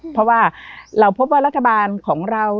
เพราะว่าเราพบว่ารัฐบาลของเรา